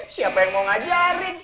siapa yang mau ngajarin